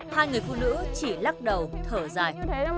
hai người phụ nữ chỉ lắc đầu thở dài